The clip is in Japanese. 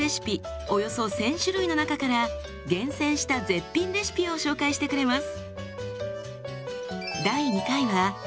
およそ１，０００種類の中から厳選した絶品レシピを紹介してくれます。